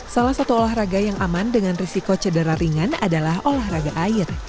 salah satu olahraga yang aman dengan risiko cedera ringan adalah olahraga air